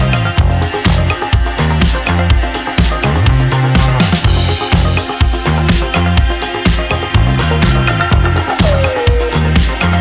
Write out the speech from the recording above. adid jangan ikuti